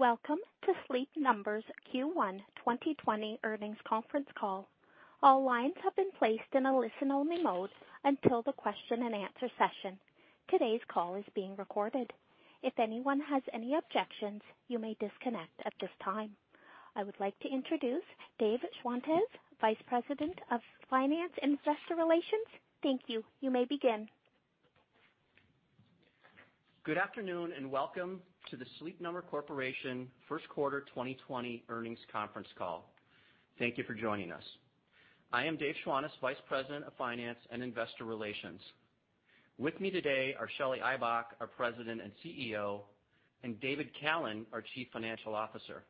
Welcome to Sleep Number's Q1 2020 earnings conference call. All lines have been placed in a listen-only mode until the question and answer session. Today's call is being recorded. If anyone has any objections, you may disconnect at this time. I would like to introduce Dave Schwantes, Vice President of Finance and Investor Relations. Thank you. You may begin. Good afternoon, welcome to the Sleep Number Corporation first quarter 2020 earnings conference call. Thank you for joining us. I am Dave Schwantes, Vice President of Finance and Investor Relations. With me today are Shelly Ibach, our President and CEO, and David Callen, our Chief Financial Officer.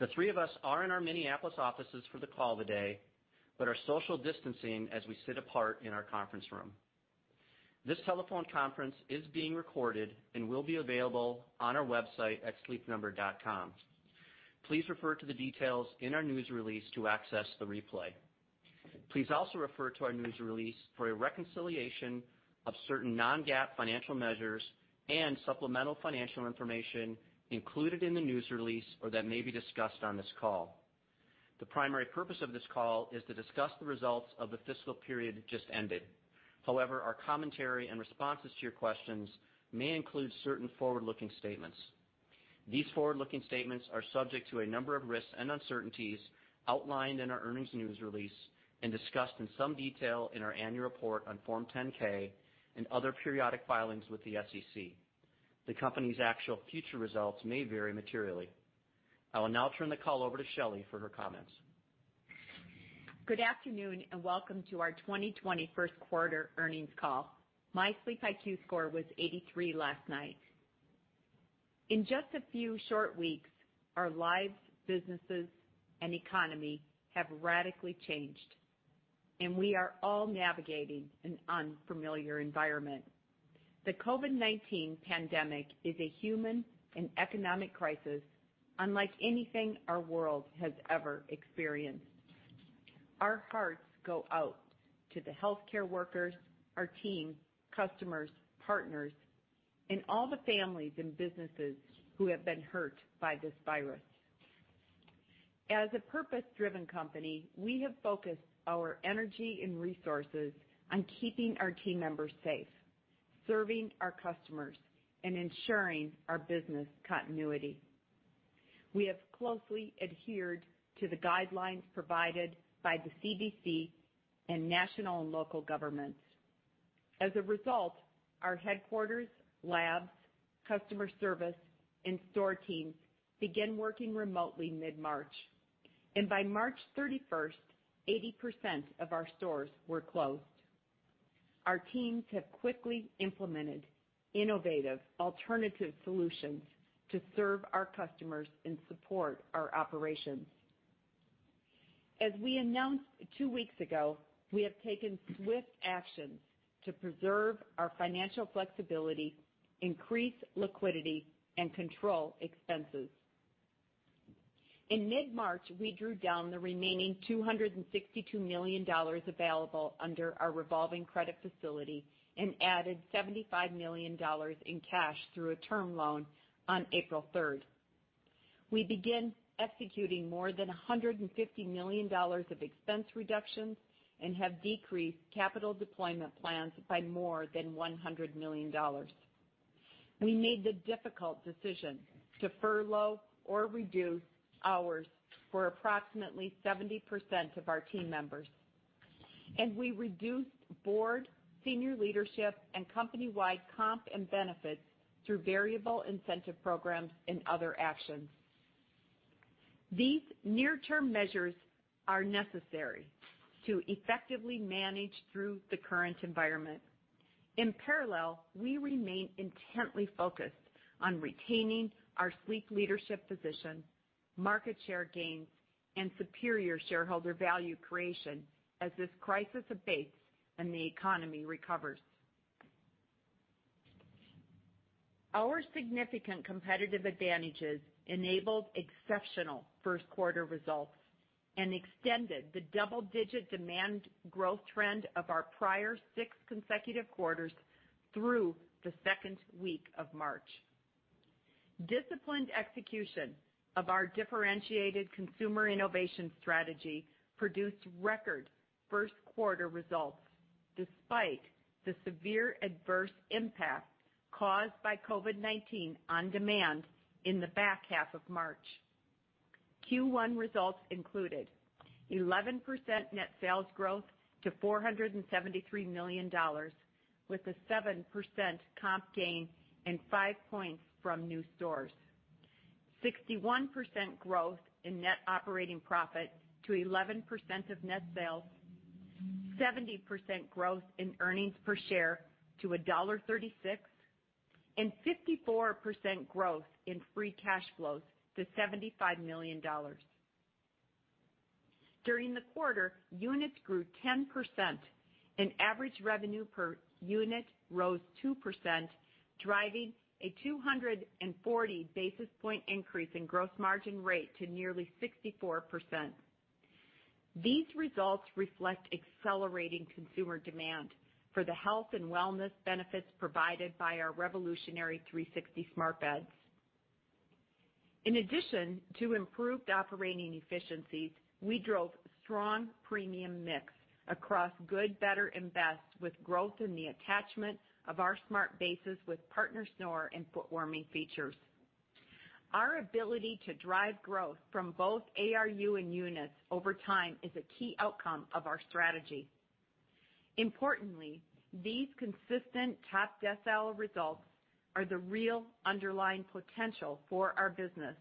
The three of us are in our Minneapolis offices for the call today but are social distancing as we sit apart in our conference room. This telephone conference is being recorded and will be available on our website at sleepnumber.com. Please refer to the details in our news release to access the replay. Please also refer to our news release for a reconciliation of certain non-GAAP financial measures and supplemental financial information included in the news release or that may be discussed on this call. The primary purpose of this call is to discuss the results of the fiscal period just ended. However, our commentary and responses to your questions may include certain forward-looking statements. These forward-looking statements are subject to a number of risks and uncertainties outlined in our earnings news release and discussed in some detail in our annual report on Form 10-K and other periodic filings with the SEC. The company's actual future results may vary materially. I will now turn the call over to Shelly for her comments. Good afternoon and welcome to our 2020 first quarter earnings call. My SleepIQ score was 83 last night. In just a few short weeks, our lives, businesses, and economy have radically changed, and we are all navigating an unfamiliar environment. The COVID-19 pandemic is a human and economic crisis unlike anything our world has ever experienced. Our hearts go out to the healthcare workers, our team, customers, partners, and all the families and businesses who have been hurt by this virus. As a purpose-driven company, we have focused our energy and resources on keeping our team members safe, serving our customers, and ensuring our business continuity. We have closely adhered to the guidelines provided by the CDC and national and local governments. As a result, our headquarters, labs, customer service, and store teams began working remotely mid-March, and by March 31st, 80% of our stores were closed. Our teams have quickly implemented innovative alternative solutions to serve our customers and support our operations. As we announced two weeks ago, we have taken swift actions to preserve our financial flexibility, increase liquidity, and control expenses. In mid-March, we drew down the remaining $262 million available under our revolving credit facility and added $75 million in cash through a term loan on April third. We began executing more than $150 million of expense reductions and have decreased capital deployment plans by more than $100 million. We made the difficult decision to furlough or reduce hours for approximately 70% of our team members, and we reduced board, senior leadership, and company-wide comp and benefits through variable incentive programs and other actions. These near-term measures are necessary to effectively manage through the current environment. In parallel, we remain intently focused on retaining our sleep leadership position, market share gains, and superior shareholder value creation as this crisis abates and the economy recovers. Our significant competitive advantages enabled exceptional first quarter results and extended the double-digit demand growth trend of our prior six consecutive quarters through the second week of March. Disciplined execution of our differentiated consumer innovation strategy produced record first quarter results, despite the severe adverse impact caused by COVID-19 on demand in the back half of March. Q1 results included 11% net sales growth to $473 million, with a 7% comp gain and five points from new stores. 61% growth in net operating profit to 11% of net sales, 70% growth in earnings per share to $1.36, and 54% growth in free cash flows to $75 million. During the quarter, units grew 10%, and average revenue per unit rose 2%, driving a 240 basis point increase in gross margin rate to nearly 64%. These results reflect accelerating consumer demand for the health and wellness benefits provided by our revolutionary 360 smart beds. In addition to improved operating efficiencies, we drove strong premium mix across good, better, and best, with growth in the attachment of our smart bases with partner snore and foot warming features. Our ability to drive growth from both ARU and units over time is a key outcome of our strategy. Importantly, these consistent top-decile results are the real underlying potential for our business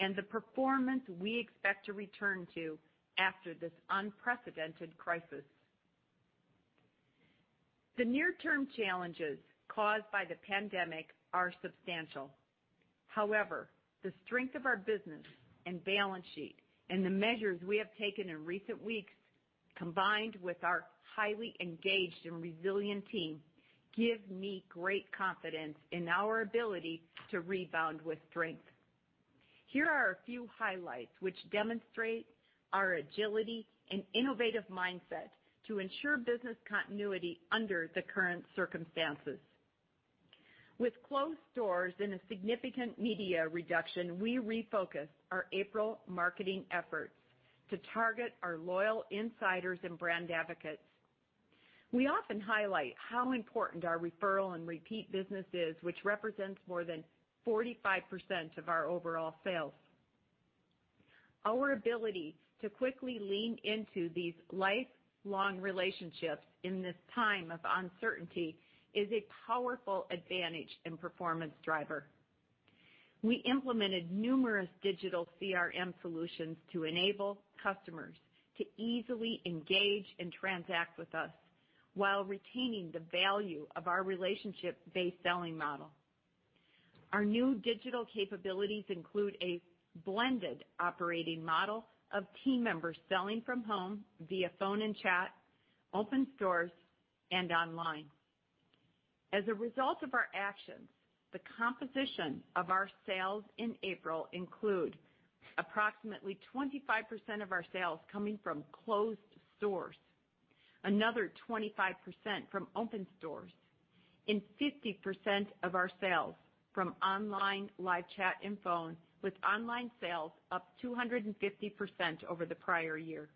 and the performance we expect to return to after this unprecedented crisis. The near-term challenges caused by the pandemic are substantial. The strength of our business and balance sheet and the measures we have taken in recent weeks, combined with our highly engaged and resilient team, give me great confidence in our ability to rebound with strength. Here are a few highlights which demonstrate our agility and innovative mindset to ensure business continuity under the current circumstances. With closed stores and a significant media reduction, we refocused our April marketing efforts to target our loyal insiders and brand advocates. We often highlight how important our referral and repeat business is, which represents more than 45% of our overall sales. Our ability to quickly lean into these lifelong relationships in this time of uncertainty is a powerful advantage and performance driver. We implemented numerous digital CRM solutions to enable customers to easily engage and transact with us while retaining the value of our relationship-based selling model. Our new digital capabilities include a blended operating model of team members selling from home via phone and chat, open stores, and online. As a result of our actions, the composition of our sales in April include approximately 25% of our sales coming from closed stores, another 25% from open stores, and 50% of our sales from online, live chat, and phone, with online sales up 250% over the prior year.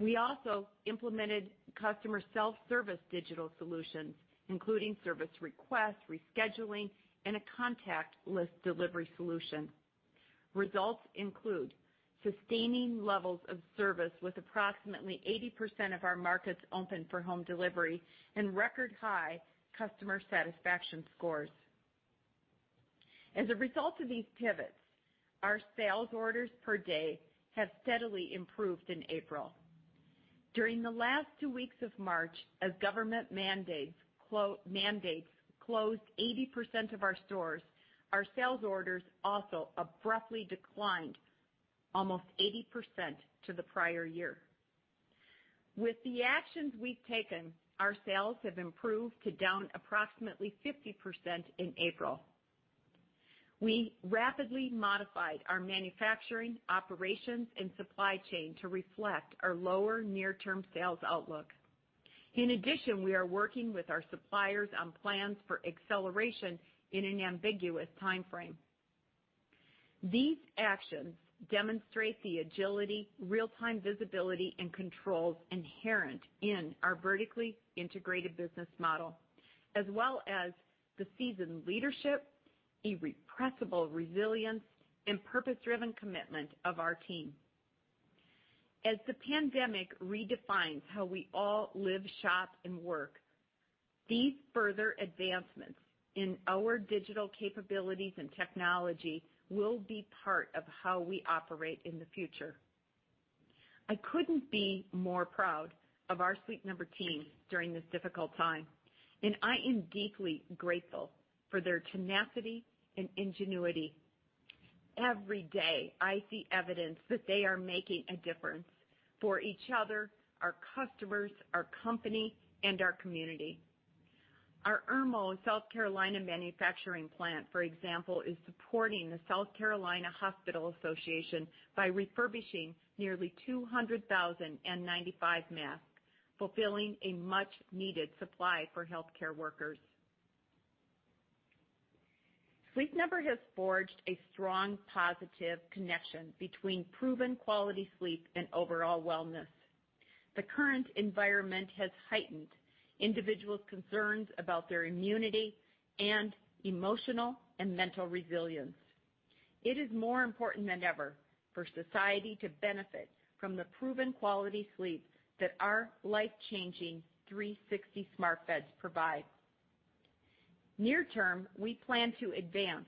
We also implemented customer self-service digital solutions, including service requests, rescheduling, and a contact list delivery solution. Results include sustaining levels of service with approximately 80% of our markets open for home delivery and record-high customer satisfaction scores. As a result of these pivots, our sales orders per day have steadily improved in April. During the last two weeks of March, as government mandates closed 80% of our stores, our sales orders also abruptly declined almost 80% to the prior year. With the actions we've taken, our sales have improved to down approximately 50% in April. We rapidly modified our manufacturing, operations, and supply chain to reflect our lower near-term sales outlook. In addition, we are working with our suppliers on plans for acceleration in an ambiguous timeframe. These actions demonstrate the agility, real-time visibility, and controls inherent in our vertically integrated business model, as well as the seasoned leadership, irrepressible resilience, and purpose-driven commitment of our team. As the pandemic redefines how we all live, shop, and work, these further advancements in our digital capabilities and technology will be part of how we operate in the future. I couldn't be more proud of our Sleep Number team during this difficult time, and I am deeply grateful for their tenacity and ingenuity. Every day, I see evidence that they are making a difference for each other, our customers, our company, and our community. Our Irmo, South Carolina, manufacturing plant, for example, is supporting the South Carolina Hospital Association by refurbishing nearly 200,000 N95 masks, fulfilling a much-needed supply for healthcare workers. Sleep Number has forged a strong, positive connection between proven quality sleep and overall wellness. The current environment has heightened individuals' concerns about their immunity and emotional and mental resilience. It is more important than ever for society to benefit from the proven quality sleep that our life-changing 360 smart beds provide. Near term, we plan to advance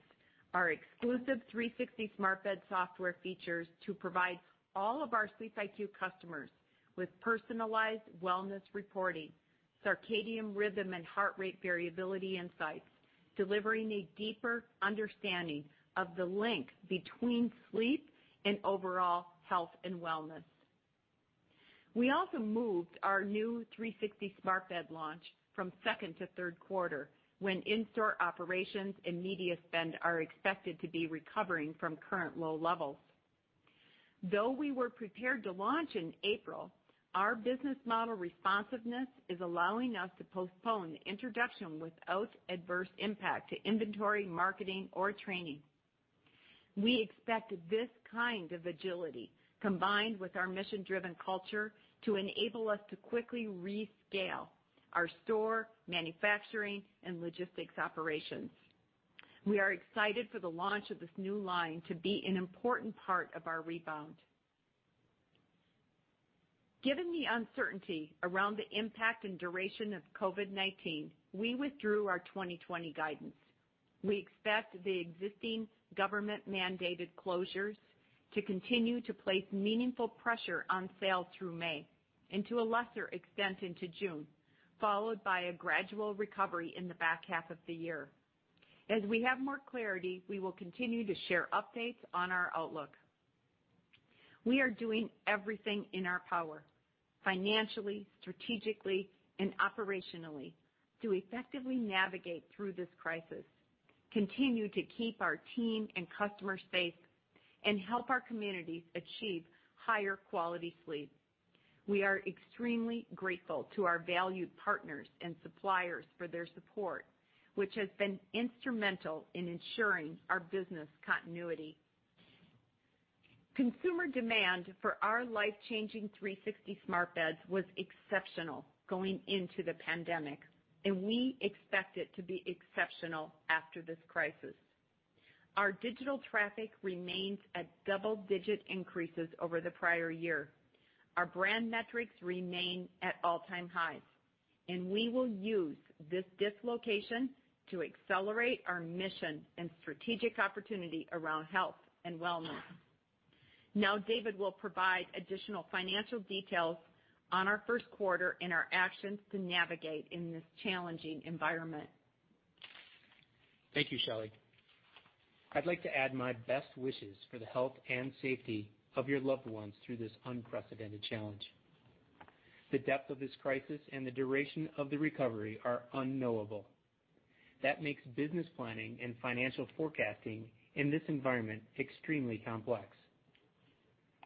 our exclusive 360 smart bed software features to provide all of our SleepIQ customers with personalized wellness reporting, circadian rhythm, and heart rate variability insights, delivering a deeper understanding of the link between sleep and overall health and wellness. We also moved our new 360 smart bed launch from second to third quarter, when in-store operations and media spend are expected to be recovering from current low levels. Though we were prepared to launch in April, our business model responsiveness is allowing us to postpone the introduction without adverse impact to inventory, marketing, or training. We expect this kind of agility, combined with our mission-driven culture, to enable us to quickly rescale our store, manufacturing, and logistics operations. We are excited for the launch of this new line to be an important part of our rebound. Given the uncertainty around the impact and duration of COVID-19, we withdrew our 2020 guidance. We expect the existing government-mandated closures to continue to place meaningful pressure on sales through May, and to a lesser extent, into June, followed by a gradual recovery in the back half of the year. As we have more clarity, we will continue to share updates on our outlook. We are doing everything in our power, financially, strategically, and operationally, to effectively navigate through this crisis, continue to keep our team and customers safe, and help our communities achieve higher quality sleep. We are extremely grateful to our valued partners and suppliers for their support, which has been instrumental in ensuring our business continuity. Consumer demand for our life-changing 360 smart beds was exceptional going into the pandemic, and we expect it to be exceptional after this crisis. Our digital traffic remains at double-digit increases over the prior year. Our brand metrics remain at all-time highs, and we will use this dislocation to accelerate our mission and strategic opportunity around health and wellness. Now David Callen will provide additional financial details on our first quarter and our actions to navigate in this challenging environment. Thank you Shelly. I'd like to add my best wishes for the health and safety of your loved ones through this unprecedented challenge. The depth of this crisis and the duration of the recovery are unknowable. That makes business planning and financial forecasting in this environment extremely complex.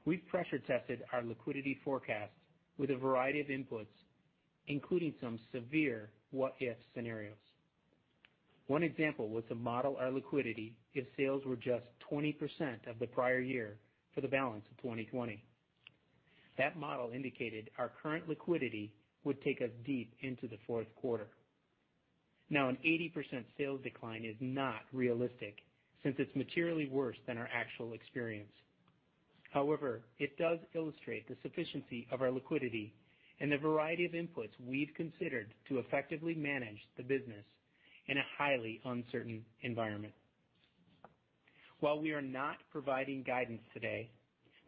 We've pressure-tested our liquidity forecast with a variety of inputs, including some severe what-if scenarios. One example was to model our liquidity if sales were just 20% of the prior year for the balance of 2020. That model indicated our current liquidity would take us deep into the fourth quarter. Now an 80% sales decline is not realistic, since it's materially worse than our actual experience. However, it does illustrate the sufficiency of our liquidity and the variety of inputs we've considered to effectively manage the business in a highly uncertain environment. While we are not providing guidance today,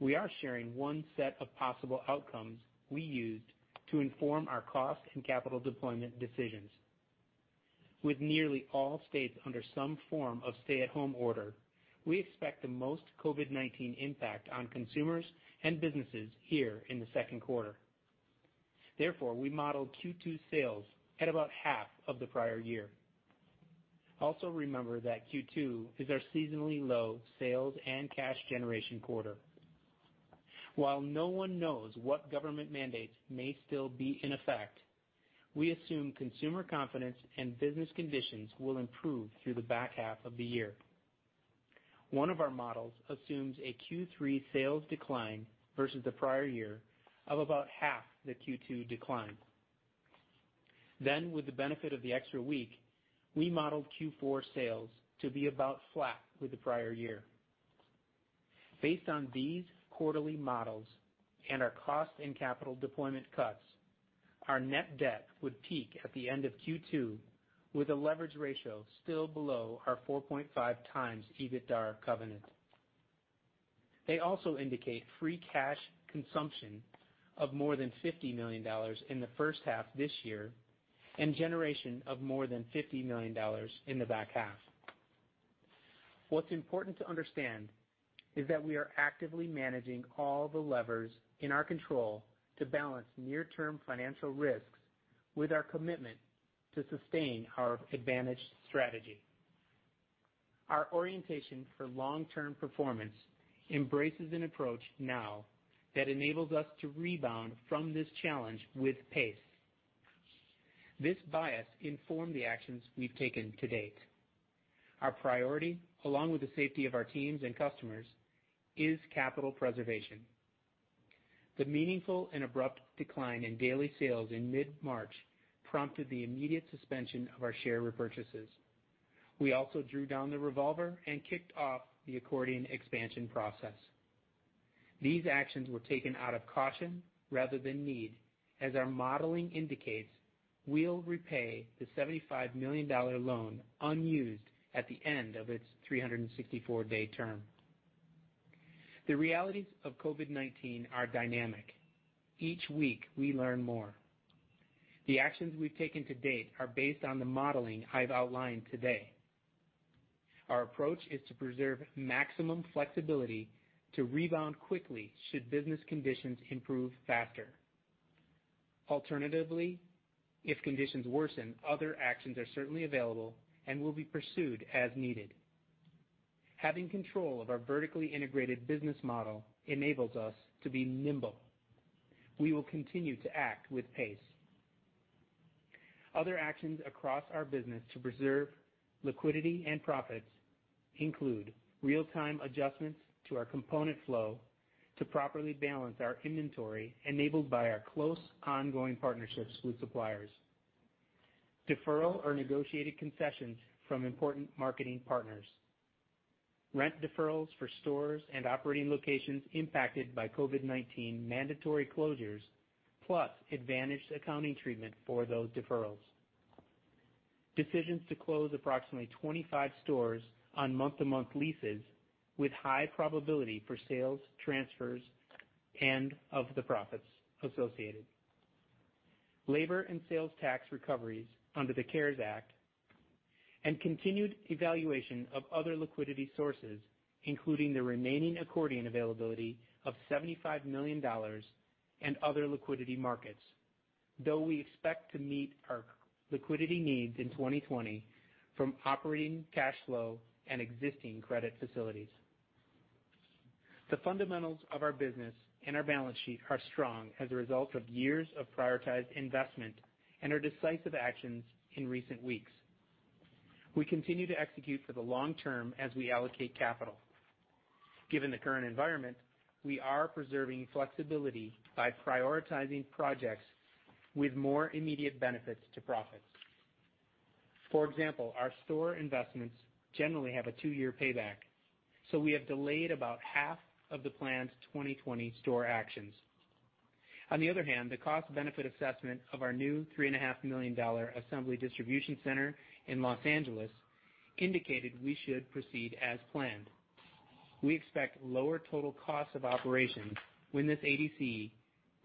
we are sharing one set of possible outcomes we used to inform our cost and capital deployment decisions. With nearly all states under some form of stay-at-home order, we expect the most COVID-19 impact on consumers and businesses here in the second quarter. Therefore, we modeled Q2 sales at about half of the prior year. Remember that Q2 is our seasonally low sales and cash generation quarter. While no one knows what government mandates may still be in effect, we assume consumer confidence and business conditions will improve through the back half of the year. One of our models assumes a Q3 sales decline versus the prior year of about half the Q2 decline. With the benefit of the extra week, we modeled Q4 sales to be about flat with the prior year. Based on these quarterly models and our cost and capital deployment cuts, our net debt would peak at the end of Q2, with a leverage ratio still below our 4.5 times EBITDA covenant. They also indicate free cash consumption of more than $50 million in the first half this year, and generation of more than $50 million in the back half. What's important to understand is that we are actively managing all the levers in our control to balance near-term financial risks with our commitment to sustain our advantaged strategy. Our orientation for long-term performance embraces an approach now that enables us to rebound from this challenge with pace. This bias informed the actions we've taken to date. Our priority, along with the safety of our teams and customers, is capital preservation. The meaningful and abrupt decline in daily sales in mid-March prompted the immediate suspension of our share repurchases. We also drew down the revolver and kicked off the accordion expansion process. These actions were taken out of caution rather than need, as our modeling indicates we'll repay the $75 million loan unused at the end of its 364-day term. The realities of COVID-19 are dynamic. Each week, we learn more. The actions we've taken to date are based on the modeling I've outlined today. Our approach is to preserve maximum flexibility to rebound quickly should business conditions improve faster. Alternatively, if conditions worsen, other actions are certainly available and will be pursued as needed. Having control of our vertically integrated business model enables us to be nimble. We will continue to act with pace. Other actions across our business to preserve liquidity and profits include real-time adjustments to our component flow to properly balance our inventory, enabled by our close, ongoing partnerships with suppliers. Deferral or negotiated concessions from important marketing partners, rent deferrals for stores and operating locations impacted by COVID-19 mandatory closures, plus advantaged accounting treatment for those deferrals. Decisions to close approximately 25 stores on month-to-month leases with high probability for sales, transfers, and of the profits associated. Labor and sales tax recoveries under the CARES Act, and continued evaluation of other liquidity sources, including the remaining accordion availability of $75 million and other liquidity markets, though we expect to meet our liquidity needs in 2020 from operating cash flow and existing credit facilities. The fundamentals of our business and our balance sheet are strong as a result of years of prioritized investment and our decisive actions in recent weeks. We continue to execute for the long term as we allocate capital. Given the current environment, we are preserving flexibility by prioritizing projects with more immediate benefits to profits. For example, our store investments generally have a two-year payback, so we have delayed about half of the planned 2020 store actions. On the other hand, the cost-benefit assessment of our new $3.5 million assembly distribution center in Los Angeles indicated we should proceed as planned. We expect lower total costs of operations when this ADC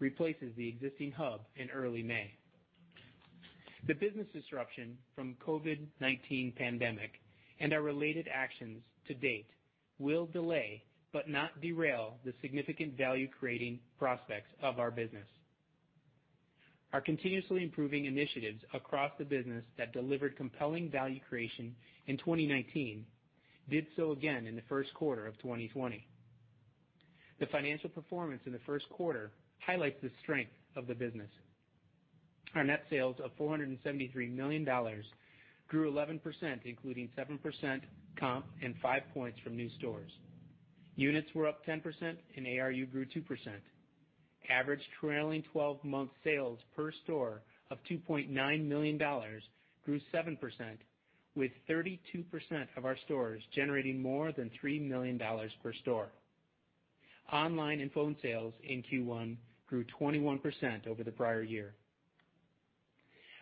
replaces the existing hub in early May. The business disruption from COVID-19 pandemic and our related actions to date will delay, but not derail, the significant value-creating prospects of our business. Our continuously improving initiatives across the business that delivered compelling value creation in 2019 did so again in the first quarter of 2020. The financial performance in the first quarter highlights the strength of the business. Our net sales of $473 million grew 11%, including 7% comp and 5 points from new stores. Units were up 10% and ARU grew 2%. Average trailing twelve-month sales per store of $2.9 million grew 7%, with 32% of our stores generating more than $3 million per store. Online and phone sales in Q1 grew 21% over the prior year.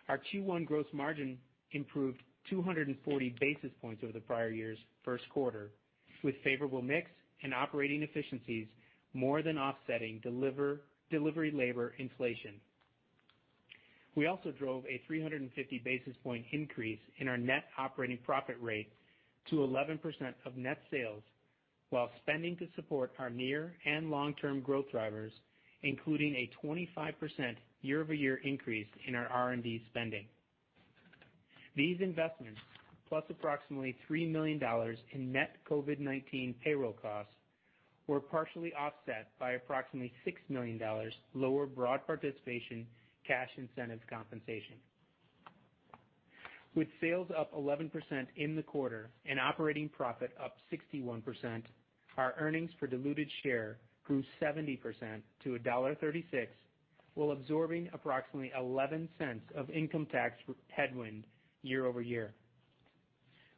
Our Q1 gross margin improved 240 basis points over the prior year's first quarter, with favorable mix and operating efficiencies more than offsetting delivery labor inflation. We also drove a 350 basis point increase in our net operating profit rate to 11% of net sales, while spending to support our near and long-term growth drivers, including a 25% year-over-year increase in our R&D spending. These investments, plus approximately $3 million in net COVID-19 payroll costs, were partially offset by approximately $6 million, lower broad participation, cash incentives compensation. Sales up 11% in the quarter and operating profit up 61%, our earnings per diluted share grew 70% to $1.36, while absorbing approximately $0.11 of income tax headwind year-over-year.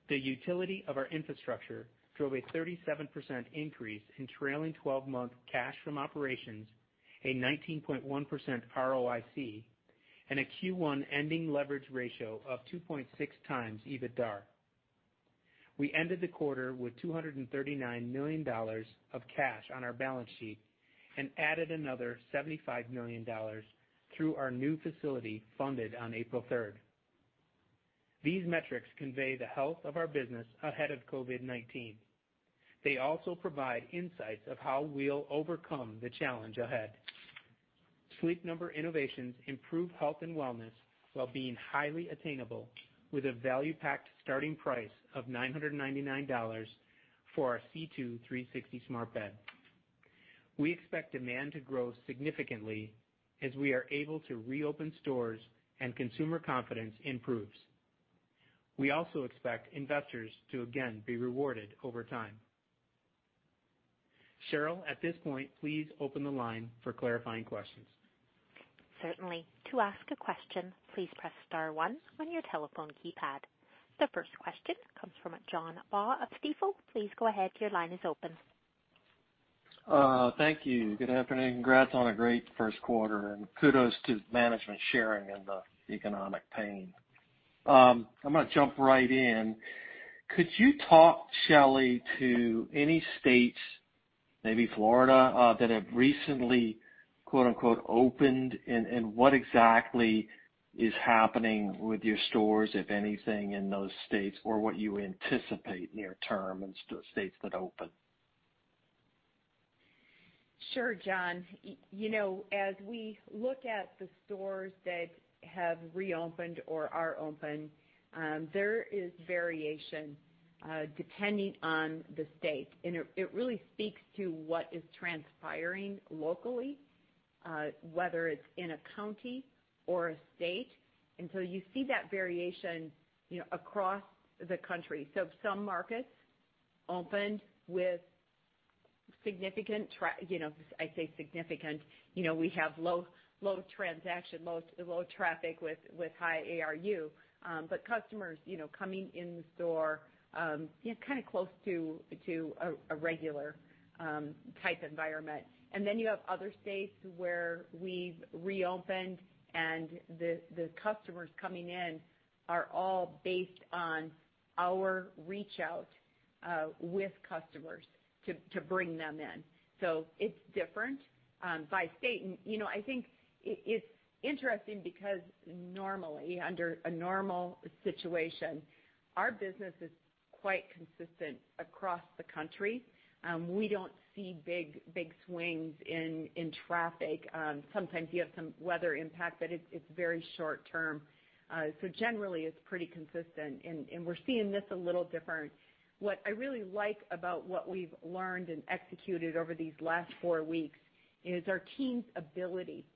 The utility of our infrastructure drove a 37% increase in trailing twelve-month cash from operations, a 19.1% ROIC, and a Q1 ending leverage ratio of 2.6 times EBITDA. We ended the quarter with $239 million of cash on our balance sheet and added another $75 million through our new facility, funded on April 3rd. These metrics convey the health of our business ahead of COVID-19. They also provide insights of how we'll overcome the challenge ahead. Sleep Number innovations improve health and wellness while being highly attainable, with a value-packed starting price of $999 for our C2 360 smart bed. We expect demand to grow significantly as we are able to reopen stores and consumer confidence improves. We also expect investors to again be rewarded over time. Cheryl, at this point, please open the line for clarifying questions. Certainly. To ask a question, please press star one on your telephone keypad. The first question comes from John Baugh of Stifel. Please go ahead. Your line is open. Thank you. Good afternoon, and congrats on a great first quarter, and kudos to management sharing in the economic pain. I'm gonna jump right in. Could you talk Shelly, to any states, maybe Florida, that have recently "opened", and what exactly is happening with your stores if anything, in those states, or what you anticipate near term in states that open? Sure, John. You know, as we look at the stores that have reopened or are open, there is variation, depending on the state. It really speaks to what is transpiring locally, whether it's in a county or a state. You see that variation, you know, across the country. Some markets opened with significant, you know, I say significant, you know, we have low transaction, low traffic with high ARU. Customers, you know, coming in the store, you know, kind of close to a regular type environment. You have other states where we've reopened, and the customers coming in are all based on our reach out with customers to bring them in. It's different by state. You know, I think it's interesting because normally, under a normal situation, our business is quite consistent across the country. We don't see big swings in traffic. Sometimes you have some weather impact, but it's very short term. Generally, it's pretty consistent, and we're seeing this a little different. What I really like about what we've learned and executed over these last four weeks is our team's ability to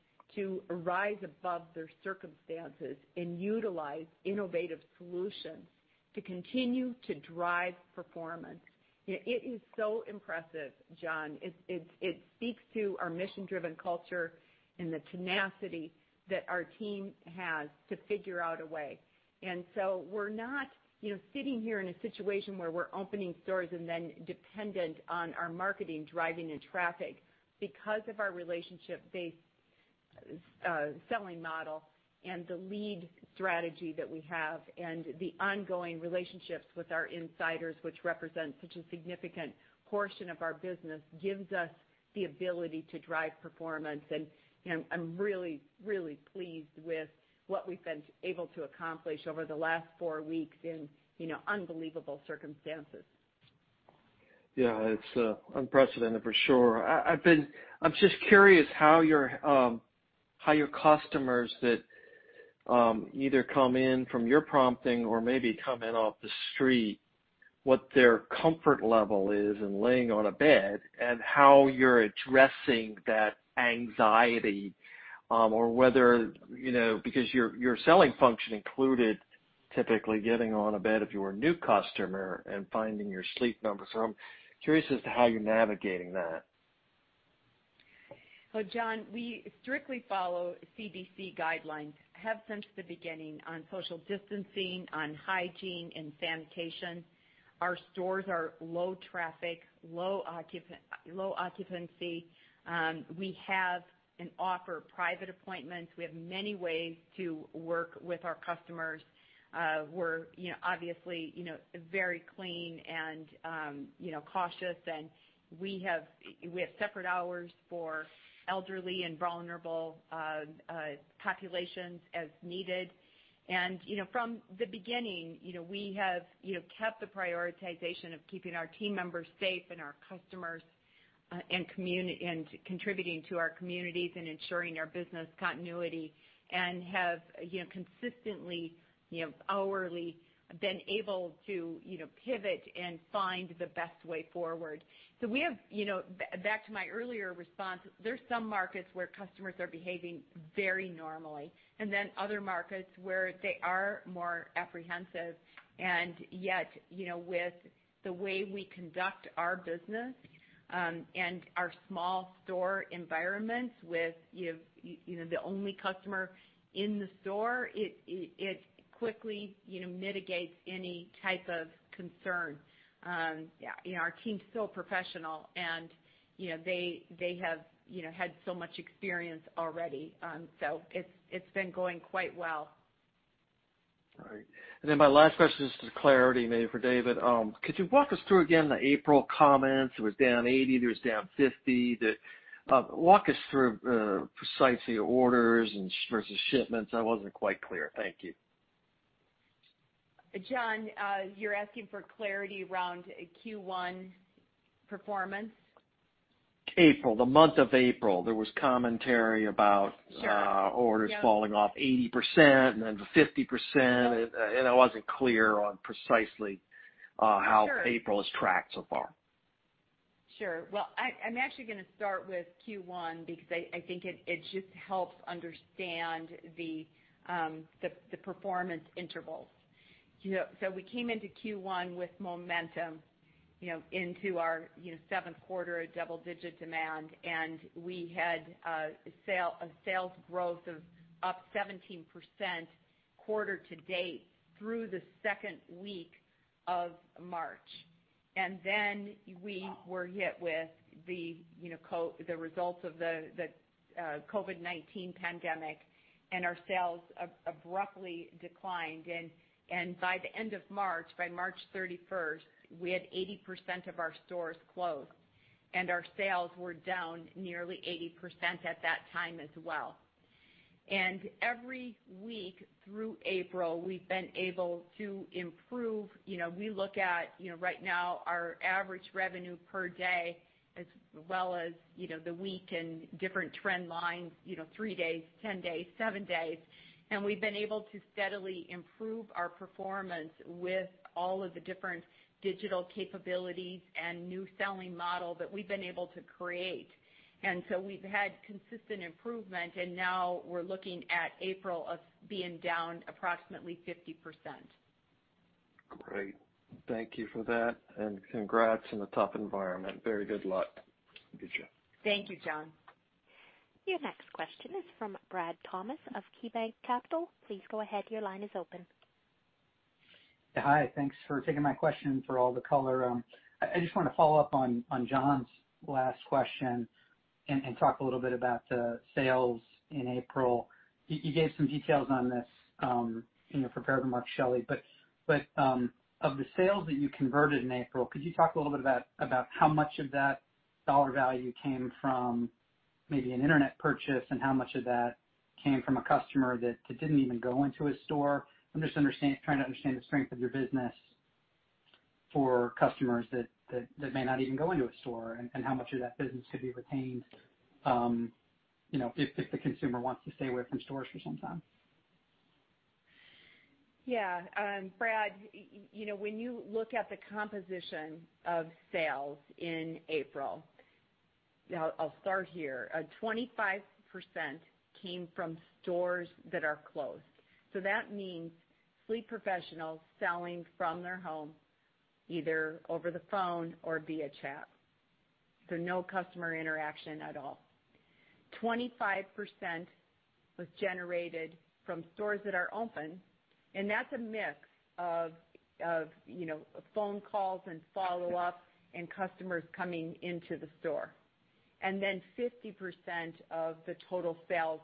rise above their circumstances and utilize innovative solutions to continue to drive performance. You know, it is so impressive, John. It speaks to our mission-driven culture and the tenacity that our team has to figure out a way. We're not, you know, sitting here in a situation where we're opening stores and then dependent on our marketing, driving, and traffic. Because of our relationship-based, selling model and the lead strategy that we have and the ongoing relationships with our insiders, which represent such a significant portion of our business, gives us the ability to drive performance. You know, I'm really, really pleased with what we've been able to accomplish over the last four weeks in, you know, unbelievable circumstances. Yeah, it's unprecedented for sure. I'm just curious how your customers that either come in from your prompting or maybe come in off the street, what their comfort level is in laying on a bed and how you're addressing that anxiety, or whether, you know, because your selling function included typically getting on a bed if you were a new customer and finding your Sleep Number. I'm curious as to how you're navigating that. Well John, we strictly follow CDC guidelines, have since the beginning, on social distancing, on hygiene and sanitation. Our stores are low traffic, low occupancy. We have and offer private appointments. We have many ways to work with our customers. We're, you know, obviously, you know, very clean and, you know, cautious, and we have separate hours for elderly and vulnerable populations as needed. From the beginning, you know, we have, you know, kept the prioritization of keeping our team members safe and our customers, and contributing to our communities and ensuring our business continuity, and have, you know, consistently, you know, hourly, been able to, you know, pivot and find the best way forward. We have, you know, back to my earlier response, there's some markets where customers are behaving very normally, and then other markets where they are more apprehensive. Yet, you know, with the way we conduct our business, and our small store environments with, you know, the only customer in the store, it quickly, you know, mitigates any type of concern. Yeah, you know, our team's so professional, and, you know, they have, you know, had so much experience already. It's been going quite well. All right. My last question is just clarity, maybe for David. Could you walk us through again the April comments? It was down 80, it was down 50, walk us through precisely your orders and versus shipments. I wasn't quite clear. Thank you. John, you're asking for clarity around Q1 performance? April, the month of April, there was commentary about orders falling off 80% and then 50%. Sure. I wasn't clear on precisely how April has tracked so far. Sure. Well, I'm actually gonna start with Q1 because I think it just helps understand the performance intervals. You know, so we came into Q1 with momentum, you know, into our, you know, seventh quarter of double-digit demand, and we had a sales growth of up 17% quarter to date through the second week of March. Then we were hit with the, you know, the results of the COVID-19 pandemic, and our sales abruptly declined. By the end of March, by March 31st, we had 80% of our stores closed and our sales were down nearly 80% at that time as well. Every week through April, we've been able to improve. You know, we look at, you know, right now, our average revenue per day, as well as, you know, the week and different trend lines, you know, three days, 10 days, seven days, and we've been able to steadily improve our performance with all of the different digital capabilities and new selling model that we've been able to create. We've had consistent improvement, and now we're looking at April as being down approximately 50%. Great. Thank you for that, and congrats on the tough environment. Very good luck. Good job. Thank you, John. Your next question is from Brad Thomas of KeyBanc Capital. Please go ahead. Your line is open. Hi, thanks for taking my question and for all the color. I just want to follow up on John's last question and talk a little bit about the sales in April. You gave some details on this, you know, on prepared remarks Shelly, but of the sales that you converted in April, could you talk a little bit about how much of that dollar value came from maybe an internet purchase, and how much of that came from a customer that didn't even go into a store? I'm just trying to understand the strength of your business for customers that may not even go into a store, and how much of that business could be retained, you know, if the consumer wants to stay away from stores for some time. Brad, you know, when you look at the composition of sales in April, I'll start here. 25% came from stores that are closed, so that means Sleep Professionals selling from their home, either over the phone or via chat, so no customer interaction at all. 25% was generated from stores that are open, and that's a mix of, you know, phone calls and follow-up and customers coming into the store. 50% of the total sales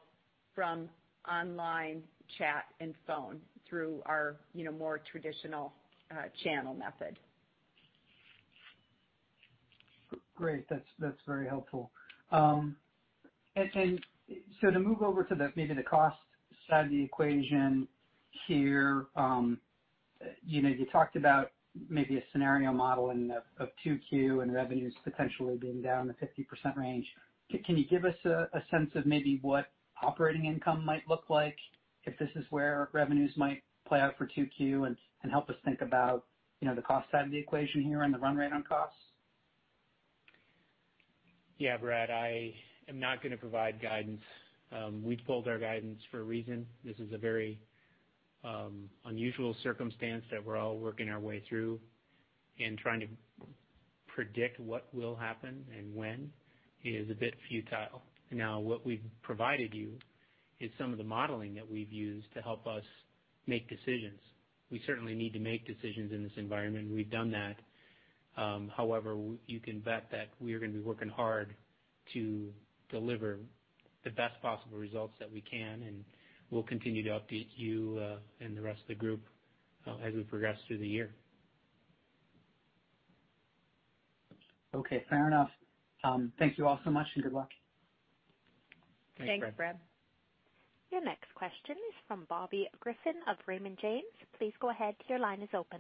from online chat and phone through our, you know, more traditional, channel method. Great. That's, that's very helpful. To move over to the, maybe the cost side of the equation here, you know, you talked about maybe a scenario model and of 2Q and revenues potentially being down in the 50% range. Can you give us a sense of maybe what operating income might look like if this is where revenues might play out for 2Q and help us think about, you know, the cost side of the equation here and the run rate on costs? Yeah Brad, I am not gonna provide guidance. We pulled our guidance for a reason. This is a very unusual circumstance that we're all working our way through and trying to predict what will happen and when is a bit futile. Now, what we've provided you is some of the modeling that we've used to help us make decisions. We certainly need to make decisions in this environment, and we've done that. However, you can bet that we are gonna be working hard to deliver the best possible results that we can, and we'll continue to update you and the rest of the group as we progress through the year. Okay, fair enough. Thank you all so much, good luck. Thanks, Brad. Your next question is from Bobby Griffin of Raymond James. Please go ahead. Your line is open.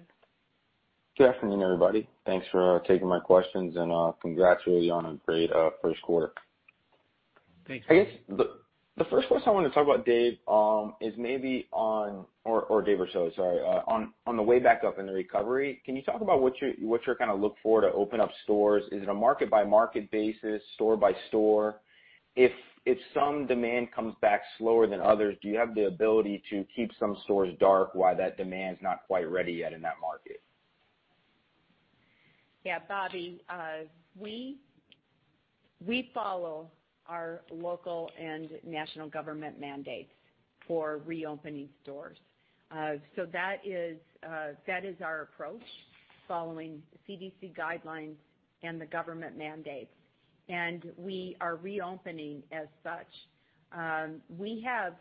Good afternoon, everybody. Thanks for taking my questions and congrats really on a great first quarter. Thanks. I guess the first question I wanna talk about, Dave, is maybe on, or Dave or Shelley sorry, on the way back up in the recovery, can you talk about what's your kind of look for to open up stores? Is it a market-by-market basis, store by store? If some demand comes back slower than others, do you have the ability to keep some stores dark while that demand's not quite ready yet in that market? Bobby, we follow our local and national government mandates for reopening stores. That is our approach, following the CDC guidelines and the government mandates, we are reopening as such. We have,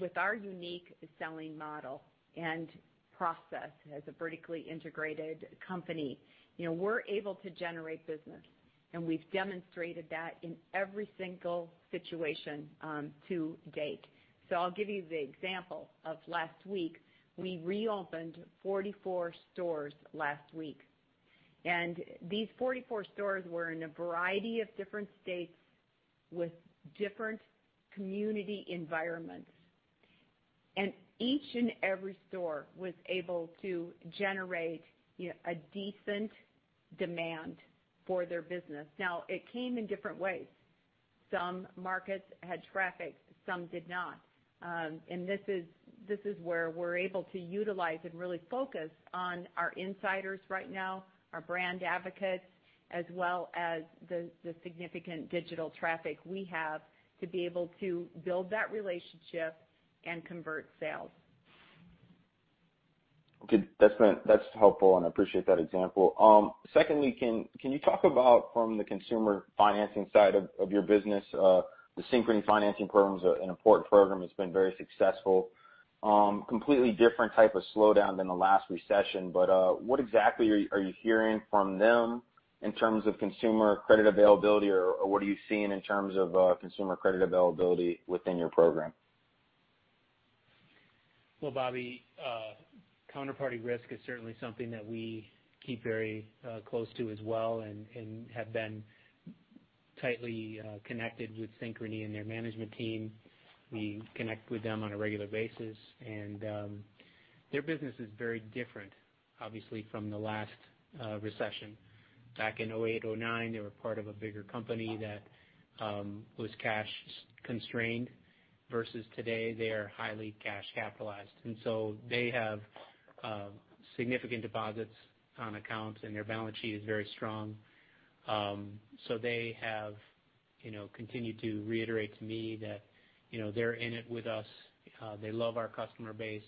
with our unique selling model and process as a vertically integrated company, you know, we're able to generate business, and we've demonstrated that in every single situation to date. I'll give you the example of last week. We reopened 44 stores last week, these 44 stores were in a variety of different states with different community environments. Each and every store was able to generate, you know, a decent demand for their business. It came in different ways. Some markets had traffic, some did not. This is where we're able to utilize and really focus on our insiders right now, our brand advocates, as well as the significant digital traffic we have to be able to build that relationship and convert sales. Good. That's helpful, and I appreciate that example. Secondly, can you talk about from the consumer financing side of your business, the Synchrony financing program is an important program. It's been very successful. Completely different type of slowdown than the last recession, but what exactly are you hearing from them in terms of consumer credit availability, or what are you seeing in terms of consumer credit availability within your program? Well Bobby, counterparty risk is certainly something that we keep very close to as well and have been tightly connected with Synchrony and their management team. We connect with them on a regular basis, their business is very different, obviously, from the last recession. Back in 2008, 2009, they were part of a bigger company that was cash-constrained, versus today, they are highly cash capitalized. So they have significant deposits on accounts, and their balance sheet is very strong. They have, you know, continued to reiterate to me that, you know, they're in it with us, they love our customer base.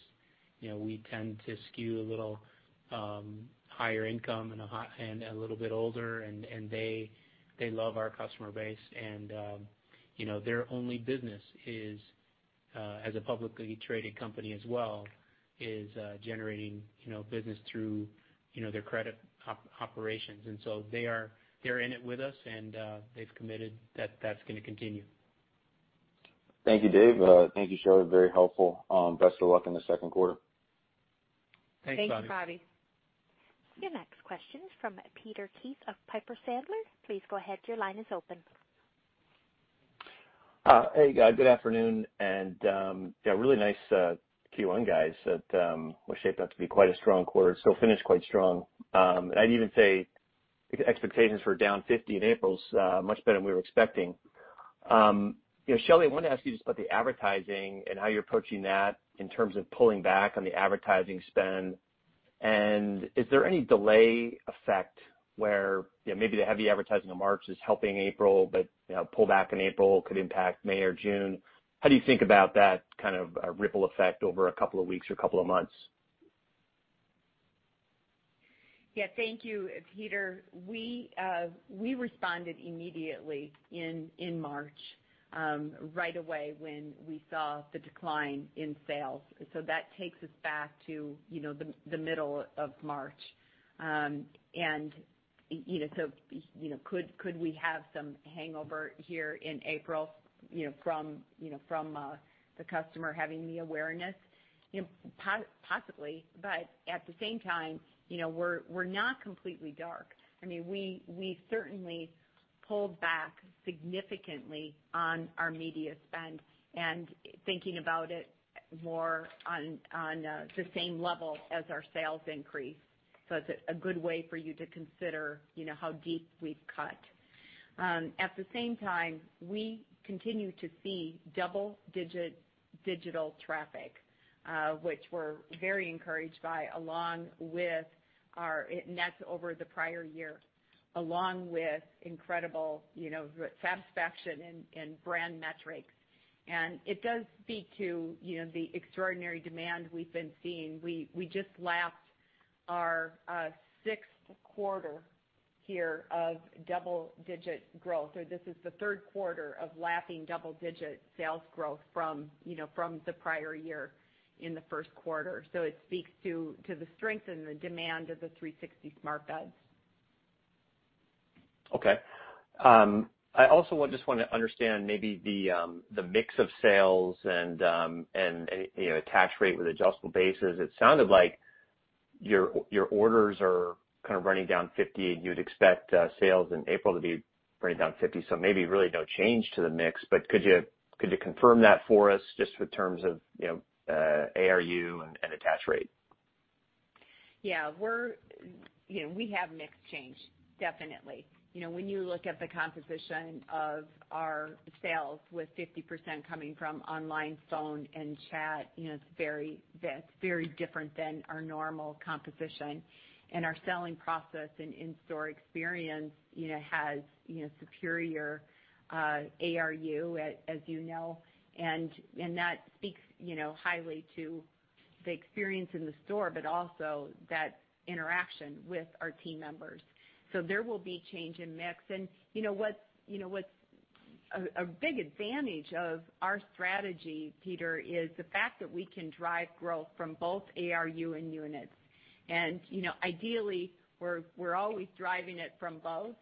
You know, we tend to skew a little higher income and a little bit older and they love our customer base. You know, their only business is, as a publicly traded company as well, is generating, you know, business through, you know, their credit operations. They're in it with us and they've committed that that's gonna continue. Thank you, Dave. Thank you, Shelly. Very helpful. Best of luck in the second quarter. Thanks, Bobby. Thank you, Bobby. Your next question is from Peter Keith of Piper Sandler. Please go ahead. Your line is open. Hey, guys, good afternoon. Yeah, really nice Q1, guys, that was shaped up to be quite a strong quarter, finished quite strong. I'd even say expectations for down 50% in April's much better than we were expecting. You know, Shelly, I wanted to ask you just about the advertising and how you're approaching that in terms of pulling back on the advertising spend. Is there any delay effect where, you know, maybe the heavy advertising in March is helping April, you know, pullback in April could impact May or June? How do you think about that kind of a ripple effect over a couple of weeks or couple of months? Yeah. Thank you, Peter. We responded immediately in March, right away when we saw the decline in sales. That takes us back to, you know, the middle of March. You know, so, you know, could we have some hangover here in April, you know, from, you know, from the customer having the awareness? You know possibly, but at the same time, you know, we're not completely dark. I mean we certainly pulled back significantly on our media spend and thinking about it more on the same level as our sales increase. It's a good way for you to consider, you know, how deep we've cut. At the same time, we continue to see double-digit digital traffic, which we're very encouraged by, along with our net over the prior year, along with incredible, you know, satisfaction and brand metrics. It does speak to, you know, the extraordinary demand we've been seeing. We just lapped our sixth quarter here of double-digit growth, or this is the third quarter of lapping double-digit sales growth from, you know, from the prior year in the first quarter. It speaks to the strength and the demand of the 360 smart beds. I just wanna understand maybe the mix of sales and you know attach rate with adjustable bases. It sounded like your orders are kind of running down 50 and you'd expect sales in April to be running down 50, so maybe really no change to the mix. Could you confirm that for us, just in terms of, you know, ARU and attach rate? Yeah. We're, you know, we have mix change, definitely. You know, when you look at the composition of our sales with 50% coming from online, phone, and chat, you know, that's very different than our normal composition. Our selling process and in-store experience, you know, has, you know, superior ARU as you know, and that speaks, you know, highly to the experience in the store, but also that interaction with our team members. There will be change in mix. You know what's a big advantage of our strategy, Peter, is the fact that we can drive growth from both ARU and units. You know, ideally, we're always driving it from both.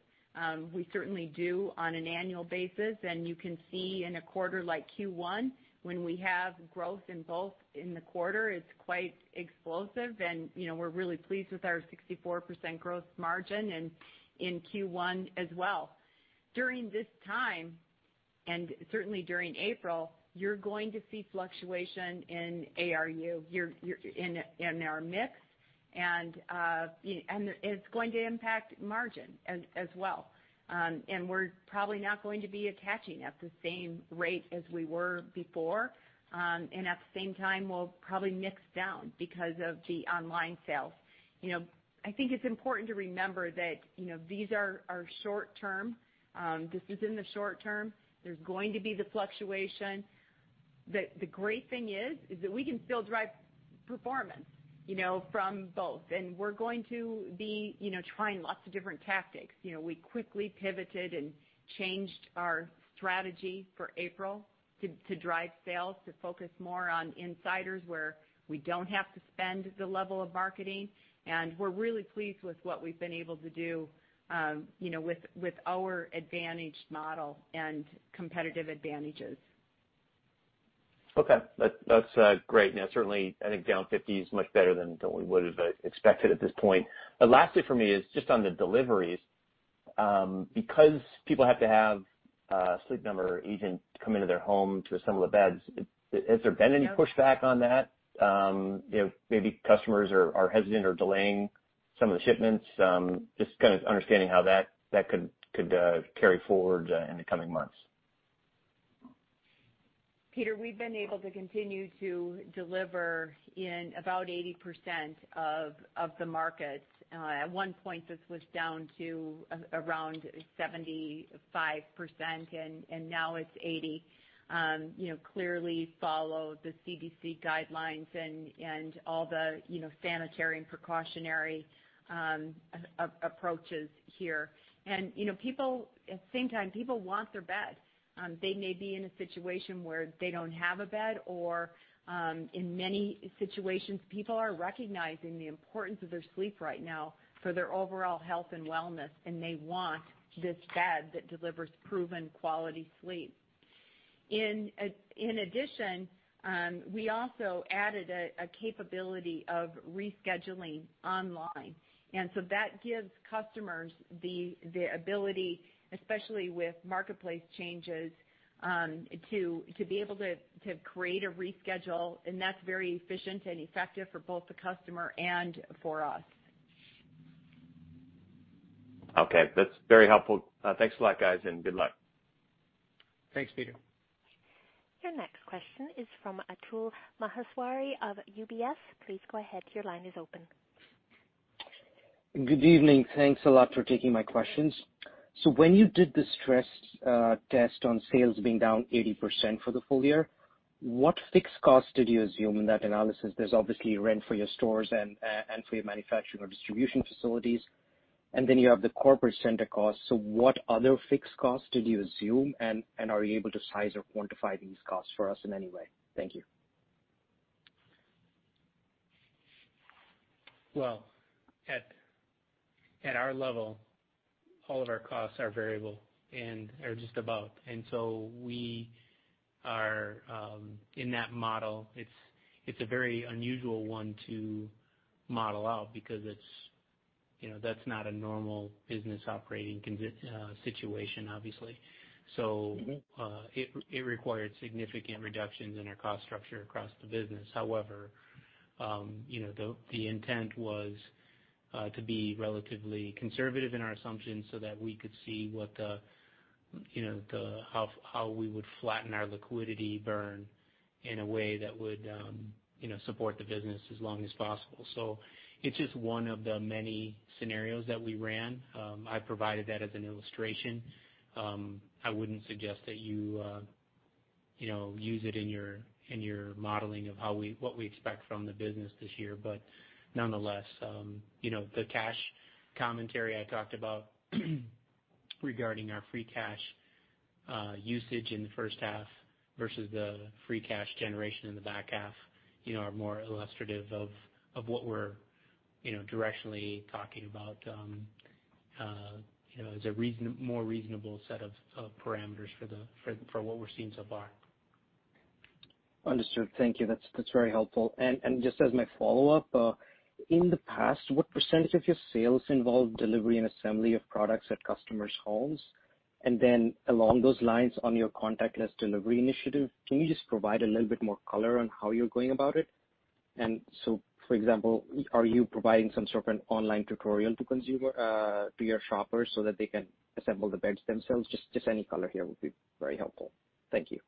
We certainly do on an annual basis, you can see in a quarter like Q1, when we have growth in the quarter, it's quite explosive, and, you know, we're really pleased with our 64% growth margin and in Q1 as well. During this time, certainly during April, you're going to see fluctuation in ARU, your in our mix and it's going to impact margin as well. We're probably not going to be attaching at the same rate as we were before. At the same time, we'll probably mix down because of the online sales. You know, I think it's important to remember that, you know, these are short term. This is in the short term. There's going to be the fluctuation. The great thing is that we can still drive performance, you know, from both. We're going to be, you know, trying lots of different tactics. You know, we quickly pivoted and changed our strategy for April to drive sales, to focus more on insiders, where we don't have to spend the level of marketing. We're really pleased with what we've been able to do, you know, with our advantaged model and competitive advantages. Okay, that's great. Certainly, I think down 50 is much better than we would have expected at this point. Lastly, for me, is just on the deliveries. Because people have to have a Sleep Number agent come into their home to assemble the beds, has there been any pushback on that? You know, maybe customers are hesitant or delaying some of the shipments, just kind of understanding how that could carry forward in the coming months. Peter, we've been able to continue to deliver in about 80% of the markets. At one point, this was down to around 75%, and now it's 80%. You know, clearly follow the CDC guidelines and all the, you know, sanitary and precautionary approaches here. You know, at the same time, people want their bed. They may be in a situation where they don't have a bed or in many situations people are recognizing the importance of their sleep right now for their overall health and wellness, and they want this bed that delivers proven quality sleep. In addition, we also added a capability of rescheduling online. That gives customers the ability, especially with marketplace changes, to be able to create a reschedule. That's very efficient and effective for both the customer and for us. Okay, that's very helpful. Thanks a lot, guys, and good luck. Thanks, Peter. Your next question is from Atul Maheshwari of UBS. Please go ahead. Your line is open. Good evening, thanks a lot for taking my questions. When you did the stress test on sales being down 80% for the full year, what fixed cost did you assume in that analysis? There's obviously rent for your stores and for your manufacturing or distribution facilities, and then you have the corporate center costs. What other fixed costs did you assume, and are you able to size or quantify these costs for us in any way? Thank you. Well, at our level, all of our costs are variable and - or just about. So we are in that model, it's a very unusual one to model out because it's, you know, that's not a normal business operating situation, obviously. It required significant reductions in our cost structure across the business. However, you know, the intent was to be relatively conservative in our assumptions so that we could see what the, you know, the, how we would flatten our liquidity burn in a way that would, you know, support the business as long as possible. It's just one of the many scenarios that we ran. I provided that as an illustration. I wouldn't suggest that you know, use it in your, in your modeling of how we what we expect from the business this year. Nonetheless, you know, the cash commentary I talked about regarding our free cash usage in the first half versus the free cash generation in the back half, you know, are more illustrative of what we're, you know, directionally talking about, you know, as a more reasonable set of parameters for what we're seeing so far. Understood. Thank you. That's very helpful. And just as my follow-up, in the past, what percentage of your sales involved delivery and assembly of products at customers' homes? Then along those lines, on your contactless delivery initiative, can you just provide a little bit more color on how you're going about it? So for example, are you providing some sort of an online tutorial to consumer, to your shoppers so that they can assemble the beds themselves? Just any color here would be very helpful. Thank you.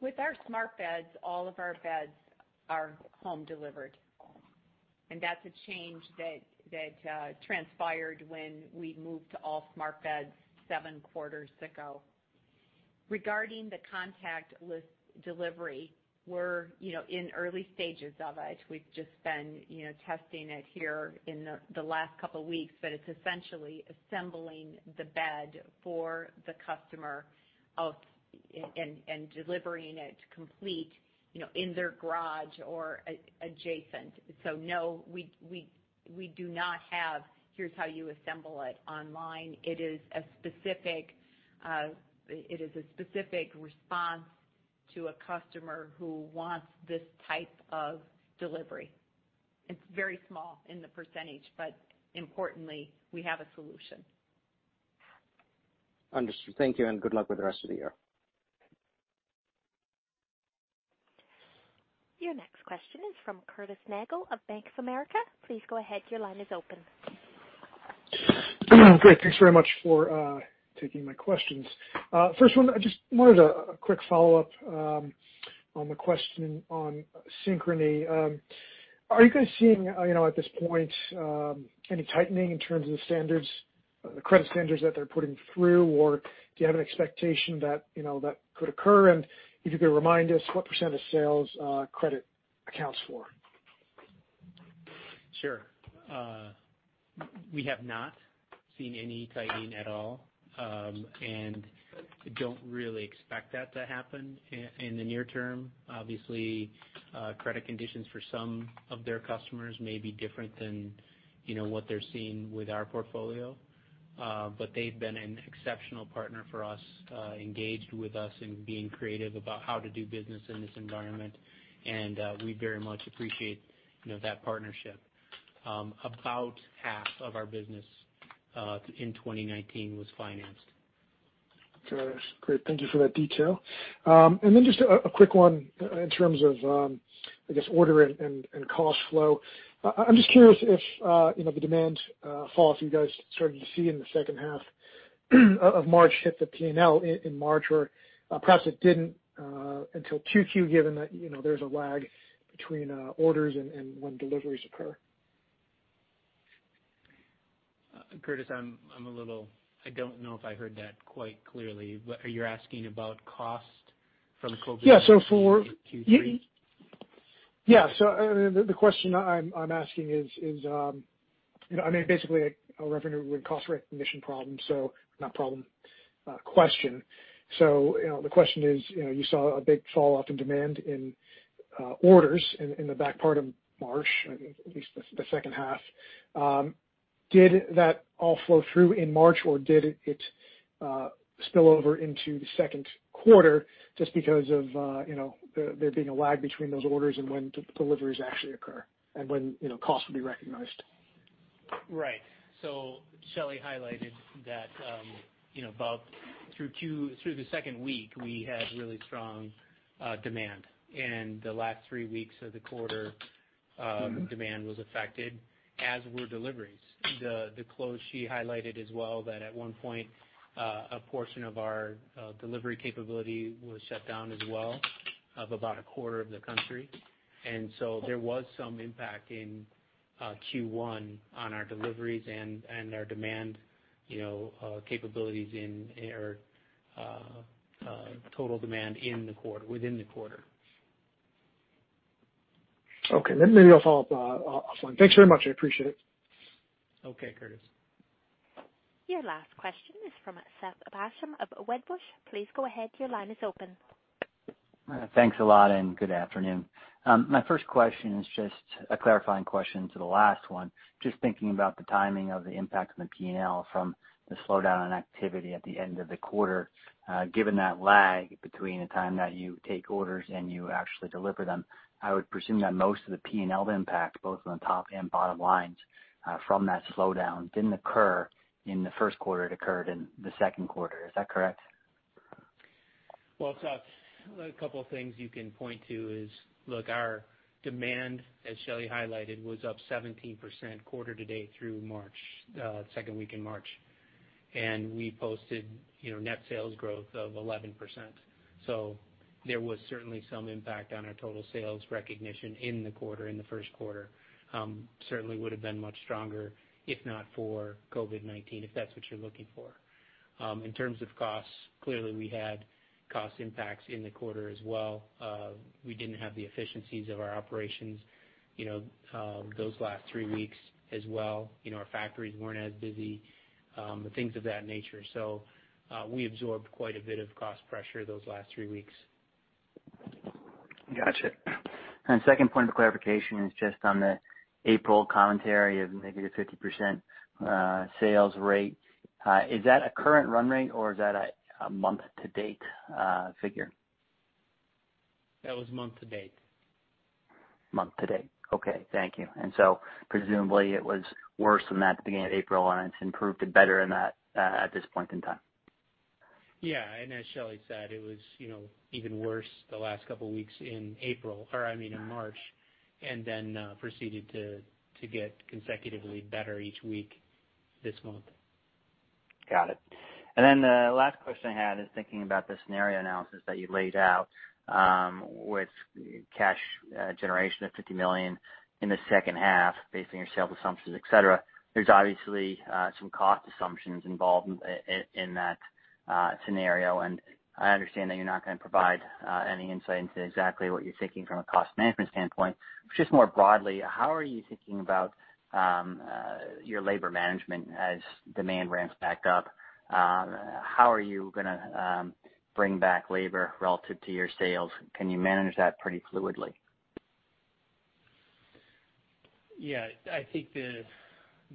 With our smart beds, all of our beds are home delivered. That's a change that transpired when we moved to all smart beds seven quarters ago. Regarding the contactless delivery, we're in early stages of it. We've just been, you know, testing it here in the last couple weeks, but it's essentially assembling the bed for the customer and delivering it complete, you know, in their garage or adjacent. No, we do not have, "Here's how you assemble it" online. It is a specific response to a customer who wants this type of delivery. It's very small in the percentage, but importantly, we have a solution. Understood. Thank you, and good luck with the rest of the year. Your next question is from Curtis Nagle of Bank of America. Please go ahead. Your line is open. Great. Thanks very much for taking my questions. First one, I just wanted a quick follow-up on the question on Synchrony. Are you guys seeing, you know, at this point, any tightening in terms of the standards, the credit standards that they're putting through? Or do you have an expectation that, you know, that could occur? If you could remind us, what percent of sales credit accounts for? Sure. We have not seen any tightening at all, don't really expect that to happen in the near term. Obviously, credit conditions for some of their customers may be different than, you know, what they're seeing with our portfolio. They've been an exceptional partner for us, engaged with us in being creative about how to do business in this environment, we very much appreciate, you know, that partnership. About half of our business in 2019 was financed. Got it. Great, thank you for that detail. Then just a quick one in terms of, I guess, order and cost flow. I'm just curious if, you know, the demand fall that you guys started to see in the second half of March hit the P&L in March, or perhaps it didn't until Q2, given that, you know, there's a lag between orders and when deliveries occur. Curtis, I'm a little, I don't know if I heard that quite clearly. Are you asking about cost from a COVID -? Yeah, for - yeah. The question I'm asking is, you know, I mean, basically, a revenue and cost recognition question. The question is, you know, you saw a big falloff in demand in orders in the back part of March, at least the second half. Did that all flow through in March, or did it spill over into the second quarter just because of, you know, there being a lag between those orders and when deliveries actually occur, and when, you know, costs will be recognized? Shelly highlighted that, you know, about through the second week, we had really strong demand, and the last three weeks of the quarter demand was affected, as were deliveries. The close she highlighted as well, that at one point, a portion of our delivery capability was shut down as well, of about a quarter of the country. There was some impact in Q1 on our deliveries and our demand, you know, capabilities in total demand in the quarter, within the quarter. Okay. Maybe I'll follow up, offline. Thanks very much. I appreciate it. Okay, Curtis. Your last question is from Seth Basham of Wedbush. Please go ahead. Your line is open. Thanks a lot, and good afternoon. My first question is just a clarifying question to the last one. Just thinking about the timing of the impact on the P&L from the slowdown in activity at the end of the quarter. Given that lag between the time that you take orders and you actually deliver them, I would presume that most of the P&L impact, both on the top and bottom lines, from that slowdown, didn't occur in the first quarter, it occurred in the second quarter. Is that correct? Seth, a couple of things you can point to is, look, our demand, as Shelley highlighted, was up 17% quarter to date through March, 2nd week in March. We posted, you know, net sales growth of 11%. There was certainly some impact on our total sales recognition in the quarter, in the first quarter. Certainly would have been much stronger if not for COVID-19, if that's what you're looking for. In terms of costs, clearly, we had cost impacts in the quarter as well. We didn't have the efficiencies of our operations, you know, those last three weeks as well. You know, our factories weren't as busy, and things of that nature. We absorbed quite a bit of cost pressure those last three weeks. Gotcha. Second point of clarification is just on the April commentary of negative 50% sales rate. Is that a current run rate, or is that a month-to-date figure? That was month to date. Month to date. Okay, thank you. Presumably, it was worse than that at the beginning of April, and it's improved to better than that at this point in time. Yeah, and as Shelly said, it was, you know, even worse the last couple of weeks in April, or I mean, in March, and then proceeded to get consecutively better each week this month. Got it. The last question I had is thinking about the scenario analysis that you laid out, with cash generation of $50 million in the second half, based on your sales assumptions, et cetera. There's obviously some cost assumptions involved in that scenario, and I understand that you're not going to provide any insight into exactly what you're thinking from a cost management standpoint. Just more broadly, how are you thinking about your labor management as demand ramps back up? How are you gonna bring back labor relative to your sales? Can you manage that pretty fluidly? Yeah. I think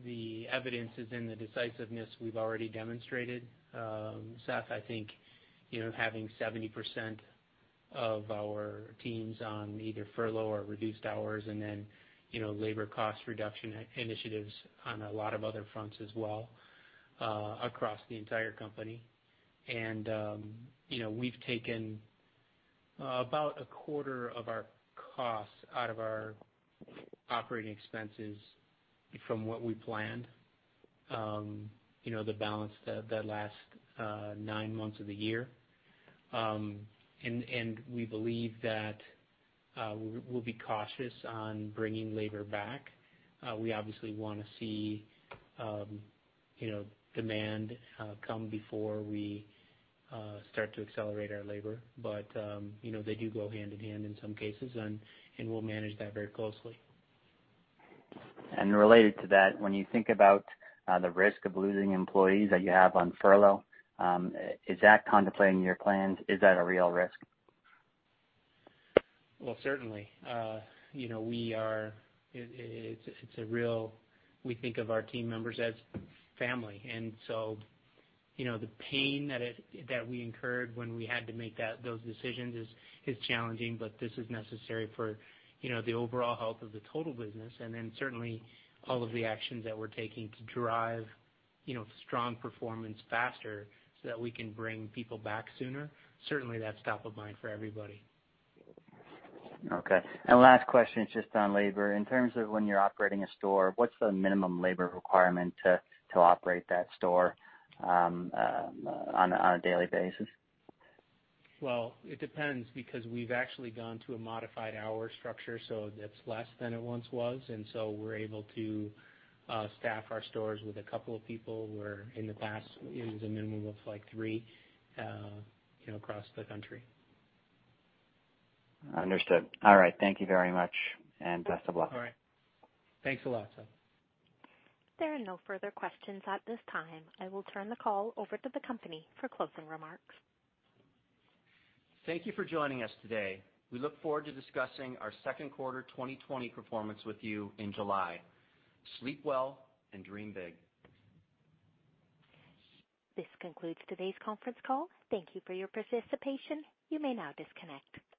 the evidence is in the decisiveness we've already demonstrated. Seth, I think, you know, having 70% of our teams on either furlough or reduced hours, and then, you know, labor cost reduction initiatives on a lot of other fronts as well, across the entire company. You know, we've taken about a quarter of our costs out of our operating expenses from what we planned, you know, the balance that last nine months of the year. We believe that we'll be cautious on bringing labor back. We obviously wanna see, you know, demand come before we start to accelerate our labor. You know, they do go hand in hand in some cases, and we'll manage that very closely. Related to that, when you think about, the risk of losing employees that you have on furlough, is that contemplating your plans? Is that a real risk? Well, certainly. You know, we think of our team members as family. You know, the pain that we incurred when we had to make that, those decisions is challenging. This is necessary for, you know, the overall health of the total business. Certainly all of the actions that we're taking to drive, you know, strong performance faster so that we can bring people back sooner. Certainly, that's top of mind for everybody. Okay. Last question is just on labor. In terms of when you're operating a store, what's the minimum labor requirement to operate that store on a daily basis? Well, it depends, because we've actually gone to a modified hour structure, so it's less than it once was, and so we're able to staff our stores with a couple of people, where in the past it was a minimum of like three, you know, across the country. Understood. All right. Thank you very much, and best of luck. All right. Thanks a lot, sir. There are no further questions at this time. I will turn the call over to the company for closing remarks. Thank you for joining us today. We look forward to discussing our second quarter 2020 performance with you in July. Sleep well and dream big. This concludes today's conference call. Thank you for your participation. You may now disconnect.